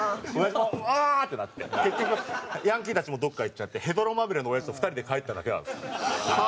おやじも「ああー！」ってなって結局ヤンキーたちもどっか行っちゃってヘドロまみれのおやじと２人で帰っただけなんですよ。